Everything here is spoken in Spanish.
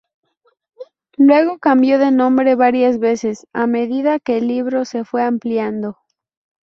Luego cambió de nombre varias veces, a medida que el libro se fue ampliando.